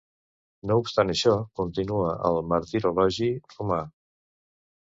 No obstant això, continua al Martirologi Romà.